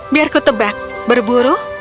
biar ku tebak berburu